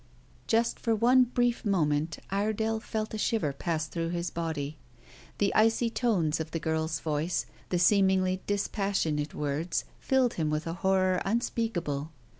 Just for one brief moment Iredale felt a shiver pass through his body. The icy tones of the girl's voice, the seemingly dispassionate words filled him with a horror unspeakable.